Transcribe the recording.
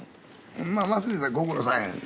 忘れたらご苦労さんやん。